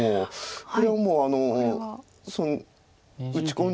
これはもう打ち込んだ